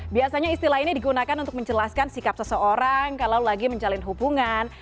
biasanya istilah ini digunakan untuk menjelaskan sikap seseorang kalau lagi menjalin hubungan